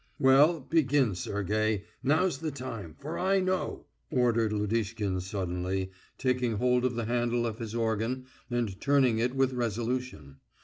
"Well, begin, Sergey. Now's the time, for I know!" ordered Lodishkin suddenly, taking hold of the handle of his organ and turning it with resolution.